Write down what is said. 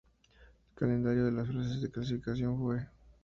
El calendario de las fases de clasificación fue.